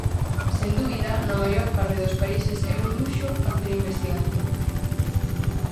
Sen dúbida, na maior parte dos países é un luxo facer investigación.